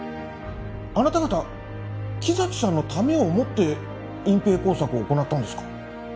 あなた方木崎さんのためを思って隠蔽工作を行ったんですか？